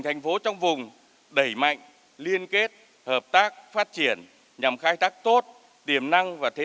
thành phố trong vùng đẩy mạnh liên kết hợp tác phát triển nhằm khai tác tốt tiềm năng và thế